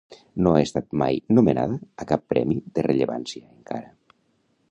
No ha estat mai nominada a cap premi de rellevància encara.